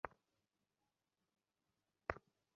হেমনলিনী সে কথা নলিনাক্ষের কাছ হইতে শুনিয়াছিল।